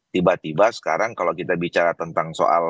tiba tiba sekarang kalau kita bicara tentang soal